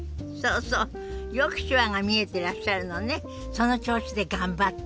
その調子で頑張って。